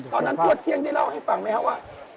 ตัวเที่ยงได้เล่าให้ฟังไหมครับว่า